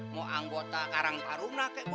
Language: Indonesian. mau anggota karangparung